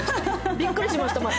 びっくりしましたもん。